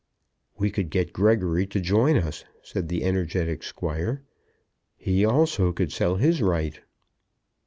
"We could get Gregory to join us," said the energetic Squire. "He, also, could sell his right."